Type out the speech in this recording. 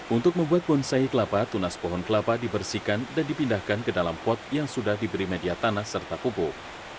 untuk membuat bonsai kelapa tunas pohon kelapa dibersihkan dan dipindahkan ke dalam pot yang sudah diberi media tanah serta pupuk